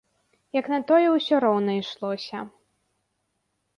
Як на тое ўсё роўна ішлося.